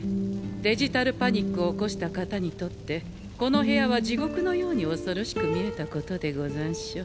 デジタルパニックを起こした方にとってこの部屋は地獄のように恐ろしく見えたことでござんしょう。